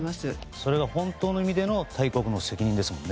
それが本当の意味での大国の責任ですね。